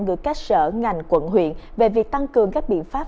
gửi các sở ngành quận huyện về việc tăng cường các biện pháp